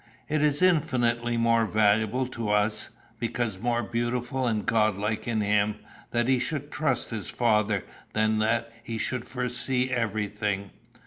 It is infinitely more valuable to us, because more beautiful and godlike in him, that he should trust his Father than that he should foresee everything.